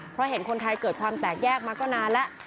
เพราะเห็นคนไทยเกิดความแตกแยกมาก็นานแล้ว